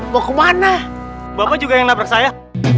mau kemana bapak juga yang nabrak saya